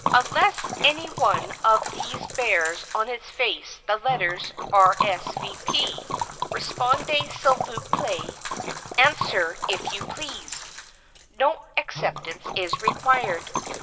Unless any one of these bears on its face the letters "R. s. v. p." (Répondez, s'il vous plaît—Answer if you please) no acceptance is required.